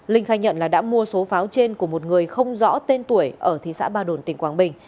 linh khai nhận là đã mua số pháo trên của một người không rõ tên tuổi ở thị xã ba đồn tỉnh quảng bình